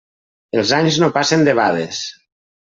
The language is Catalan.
Els anys no passen debades.